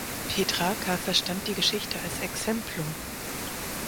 Petrarca verstand die Geschichte als Exemplum.